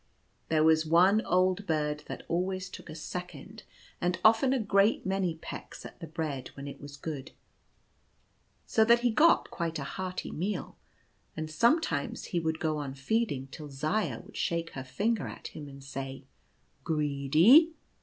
There was one old bird that always took a second, and often a great many pecks at the bread when it was good, so that he got quite a hearty meal ; and sometimes he would go on feeding till Zaya would shake her finger at him and say, <c Greedy